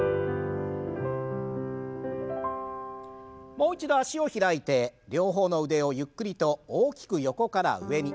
もう一度脚を開いて両方の腕をゆっくりと大きく横から上に。